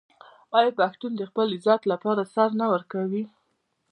آیا پښتون د خپل عزت لپاره سر نه ورکوي؟